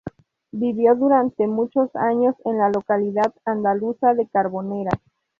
Vivió durante muchos años en la localidad andaluza de Carboneras.